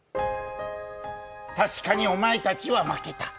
確かにお前たちは負けた。